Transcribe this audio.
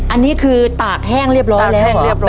อันนี้คือตากแห้งเรียบร้อยแล้วเหรอ